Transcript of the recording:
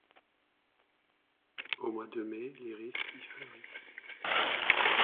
Au mois de mai l'iris y fleurit.